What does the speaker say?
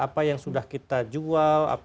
apa yang sudah kita jual